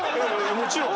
もちろん。